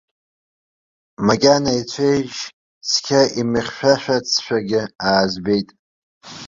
Макьана ицәеижь цқьа имыхьшәашәацшәагьы аазбеит.